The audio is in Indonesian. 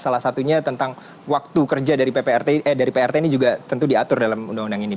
salah satunya tentang waktu kerja dari prt ini juga tentu diatur dalam undang undang ini